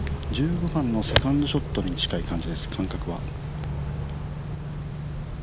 １５番のセカンドショットに近い感じです、感覚は。